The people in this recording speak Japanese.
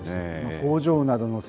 工場などの生